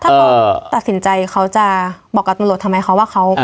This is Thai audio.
ถ้าเขาตัดสินใจเขาจะบอกกับตำรวจทำไมคะว่าเขา